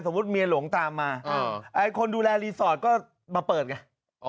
สมมุติเมียหลงตามมาเออเออคนดูแลรีสอร์ทก็มาเปิดไงอ๋อ